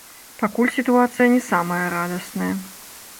Пакуль сітуацыя не самая радасная.